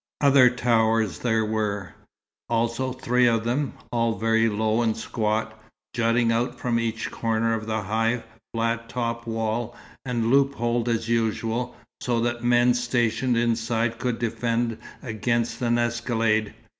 Other towers there were, also; three of them, all very low and squat, jutting out from each corner of the high, flat topped wall, and loopholed as usual, so that men stationed inside could defend against an escalade.